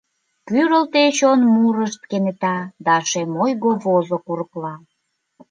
Кӱрылтӧ чон мурышт кенета, Да шем ойго возо курыкла.